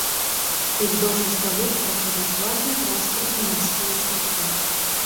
Уздоўж астравоў праходзяць важныя транспартныя марскія шляхі.